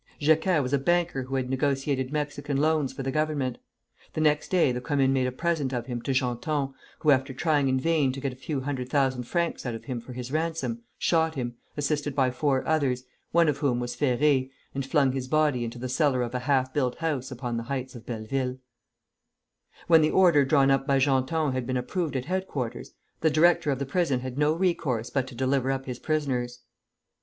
Jecker was a banker who had negotiated Mexican loans for the Government. The next day the Commune made a present of him to Genton, who, after trying in vain to get a few hundred thousand francs out of him for his ransom, shot him, assisted by four others, one of whom was Ferré, and flung his body into the cellar of a half built house upon the heights of Belleville. [Footnote 1: Macmillan's Magazine, 1873.] When the order drawn up by Genton had been approved at headquarters, the director of the prison had no resource but to deliver up his prisoners.